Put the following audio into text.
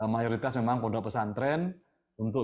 mayoritas memang pondok pesantren untuk